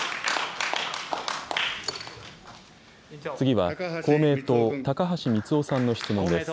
次は公明党、高橋光男さんの質問です。